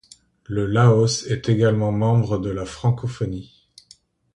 Le Laos est également membre de la Francophonie.